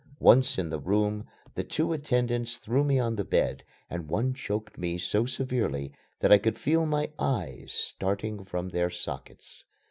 Once in the room, the two attendants threw me on the bed and one choked me so severely that I could feel my eyes starting from their sockets.